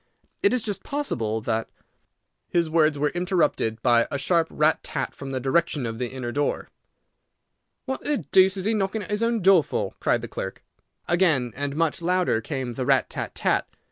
"It is just possible that—" His words were interrupted by a sharp rat tat from the direction of the inner door. "What the deuce is he knocking at his own door for?" cried the clerk. Again and much louder came the rat tat tat.